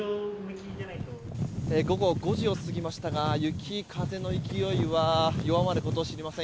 午後５時を過ぎましたが雪、風の勢いは弱まることを知りません。